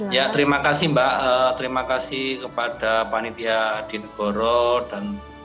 ya terima kasih mbak terima kasih kepada panitia di negoro dan